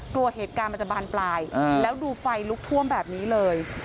กลัวเหตุการณ์มันจะบานปลายแล้วดูไฟลุกท่วมแบบนี้เลย